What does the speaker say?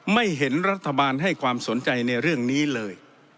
ไม่เห็นรัฐบาลให้ความสนใจในเรื่องนี้เลย